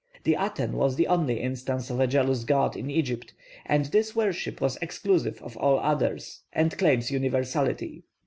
The Aten was the only instance of a 'jealous god' in Egypt, and this worship was exclusive of all others, and claims universality.